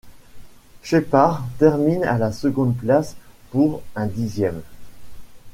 Sheppard termine à la seconde place pour un dixième.